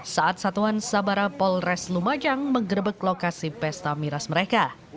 saat satuan sabara polres lumajang menggerbek lokasi pesta miras mereka